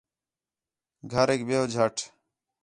گھریک ویہو جھٹ